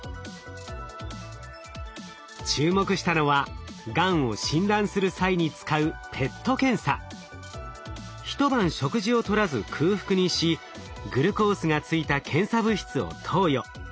注目したのはがんを診断する際に使う一晩食事をとらず空腹にしグルコースがついた検査物質を投与。